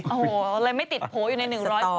โอ้โหเลยไม่ติดโผล่อยู่ใน๑๐๐คน